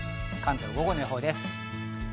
関東の午後の予報です。